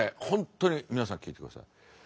本当に皆さん聞いてください。